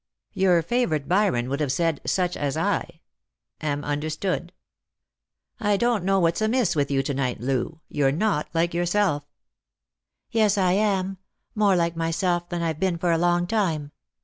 " Your favourite Byron would have said ' sucb as I '— am un derstood. I don't know what's amiss with you to night, Loo ; you're not like yourself." 94 Lost for Love, " Yes, I am ; more like myself than I've been for a^tong time.